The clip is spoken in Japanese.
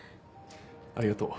ありがとう。